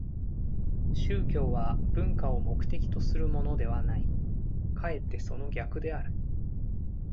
宗教は文化を目的とするものではない、かえってその逆である。